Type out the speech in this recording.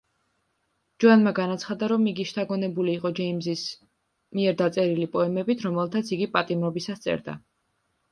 ჯოანმა განაცხადა, რომ იგი შთაგონებული იყო ჯეიმზის მიერ დაწერილი პოემებით, რომელთაც იგი პატიმრობისას წერდა.